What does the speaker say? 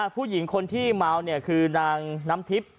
ผู้หญิงคนที่เมาคือนางน้ำทิพย์